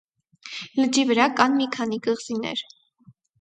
Լճի վրա կան մի քանի կղզիներ։